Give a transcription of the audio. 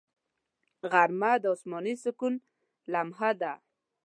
غرمه د آسماني سکون لمحه ده